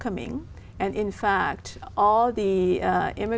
cộng đồng hành vi